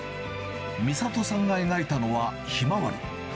美里さんが描いたのはひまわり。